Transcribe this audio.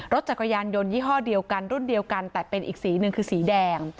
รถจักรยานยนต์ยี่ห้อเดียวกันรุ่นเดียวกันแต่เป็นอีกสีหนึ่งคือสีแดง